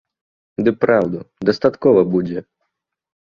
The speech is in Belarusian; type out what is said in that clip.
Ды праўду, дастаткова будзе.